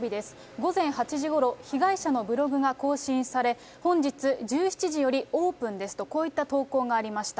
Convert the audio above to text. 午前８時ごろ、被害者のブログが更新され、本日１７時よりオープンですと、こういった投稿がありました。